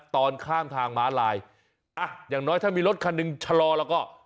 ตอนข้ามทางม้าลายอ่ะอย่างน้อยถ้ามีรถคันหนึ่งชะลอแล้วก็